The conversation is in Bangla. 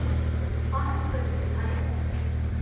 অনেক হয়েছে, ভাই।